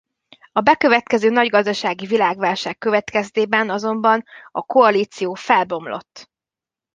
A bekövetkező nagy gazdasági világválság következtében azonban a koalíció felbomlott.